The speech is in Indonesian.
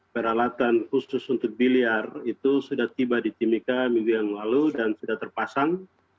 peralatan khusus untuk biliar itu sudah tiba di timika minggu yang lalu dan sudah terpasang